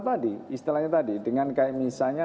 tadi istilahnya tadi dengan kayak misalnya